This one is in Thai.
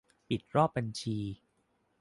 ปิดรอบบัญชี